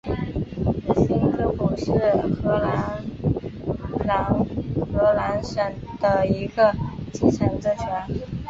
新科普是荷兰南荷兰省的一个基层政权。